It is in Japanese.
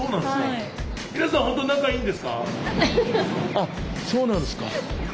あっそうなんですか。